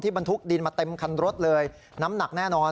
บรรทุกดินมาเต็มคันรถเลยน้ำหนักแน่นอน